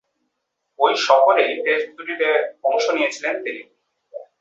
ঐ সফরেই টেস্ট দুটিতে অংশ নিয়েছিলেন তিনি।